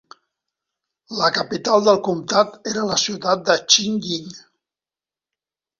La capital del comtat era la ciutat de Xinying.